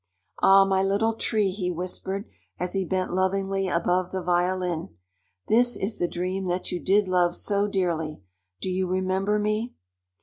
"Ah, my Little Tree," he whispered, as he bent lovingly above the violin. "This is the dream that you did love so dearly. Do you remember me?"